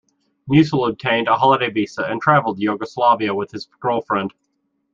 Musil obtained a holiday visa and travelled to Yugoslavia with his girlfriend.